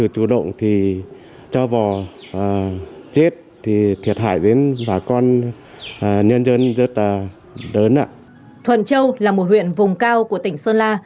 thuận châu là một huyện vùng cao của tỉnh sơn la